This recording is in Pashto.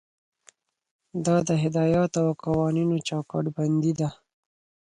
دا د هدایاتو او قوانینو چوکاټ بندي ده.